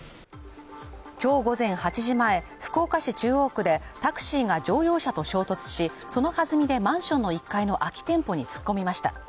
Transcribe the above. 今日午前８時前福岡市中央区でタクシーが乗用車と衝突しそのはずみでマンションの１階の空き店舗に突っ込みました